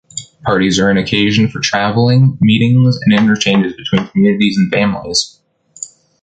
Parties are an occasion for traveling, meetings, and interchanges between communities and families.